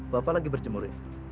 bapak lagi bercemur ya